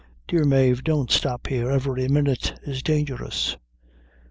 Dear Mave don't stop here every minute is dangerous."